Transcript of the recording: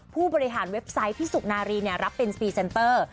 ผู้บริหารเว็บไซต์พี่สุนารีรับเป็นพรีเซนเตอร์